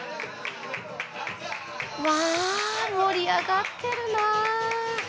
うわ盛り上がってるなあ。